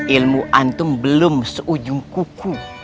ilmu antum belum seujung kuku